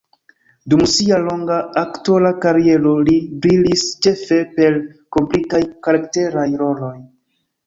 Dum sia longa aktora kariero li brilis ĉefe per komplikaj karakteraj roloj.